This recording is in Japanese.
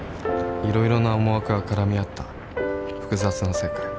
いろいろな思惑がからみあった複雑な世界